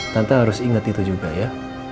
tante harus ingat itu juga ya